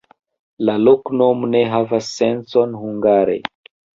La loknomo ne havas sencon hungare.